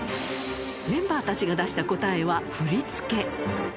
メンバーたちが出した答えは振り付け。